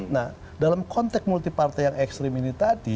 nah dalam konteks multi partai yang ekstrim ini tadi